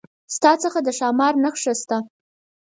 ستا څخه د ښامار نخښه شته؟